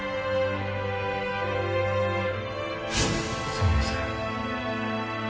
すみません。